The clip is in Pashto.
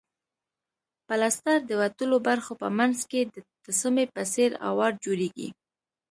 پلستر د وتلو برخو په منځ کې د تسمې په څېر اوار جوړیږي.